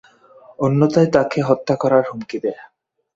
অন্যথায় তাকে হত্যা করার হুমকি দেয়।